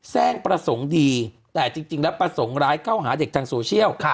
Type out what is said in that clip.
ประสงค์ดีแต่จริงแล้วประสงค์ร้ายเข้าหาเด็กทางโซเชียล